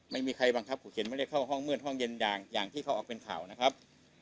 ไม่มีใครบังคับขู่เข็นไม่ได้เข้าห้องมืดห้องเย็นอย่างที่เขาออกเป็นข่าวนะครับ